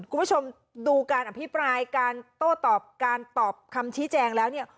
คุณผู้ชมดูการอภิปรายการโต้ตอบการตอบคำชี้แจงแล้วเนี่ย